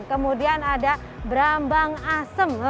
kemudian ada berambang asem